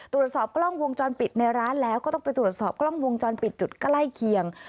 ตรวจสอบกล้องวงจรปิดในร้านแล้วก็ต้องไปตรวจสอบกล้องวงจรปิดจุดใกล้เคียง